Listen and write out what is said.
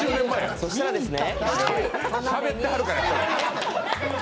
そしたらですねしゃべってはるから。